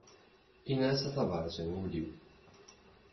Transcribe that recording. Inna-as a tabrat n wul-iw.